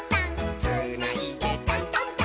「つーないでタントンタン」